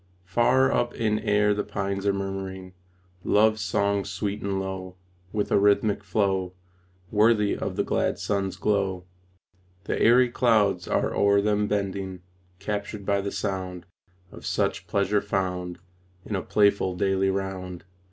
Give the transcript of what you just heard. Far up in air the pines are murmuring Love songs sweet and low, With a rhythmic flow, Worthy of the glad sun's glow. The airy clouds are o'er them bending, Captured by the sound Of such pleasure found In a playful daily round.